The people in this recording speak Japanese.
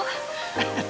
ハハハ。